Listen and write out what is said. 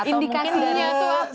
indikasinya itu apa